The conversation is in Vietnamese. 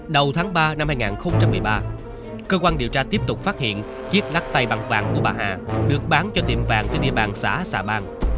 đầu tháng ba năm hai nghìn một mươi ba cơ quan điều tra tiếp tục phát hiện chiếc lắc tay bằng vàng của bà hà được bán cho tiệm vàng trên địa bàn xã xà bang